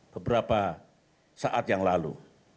beberapa saat yang lalu